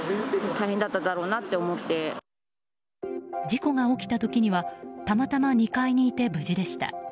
事故が起きた時にはたまたま２階にいて無事でした。